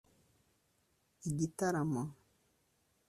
igitaramo